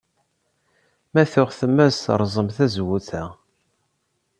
Ma tuɣ tmes, rẓemt tazewwut-a.